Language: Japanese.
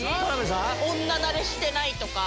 女慣れしてないとか。